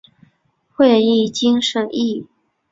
会议经审议